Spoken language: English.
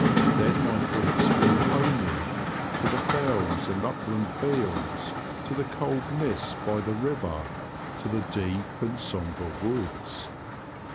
Then my thoughts flew homeward (to the fells and upland fields, to the cold mists by the river, to the deep and sombre woods).